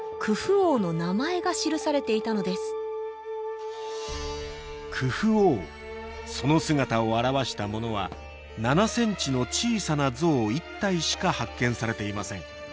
王その姿を表したものは７ｃｍの小さな像一体しか発見されていません